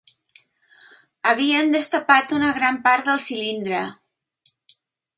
Havien destapat una gran part del cilindre.